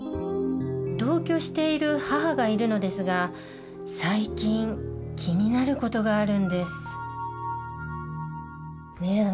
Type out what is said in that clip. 同居している母がいるのですが最近気になる事があるんですねえ